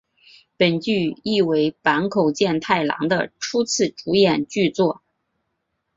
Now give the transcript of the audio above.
本剧亦为坂口健太郎的初次主演剧作。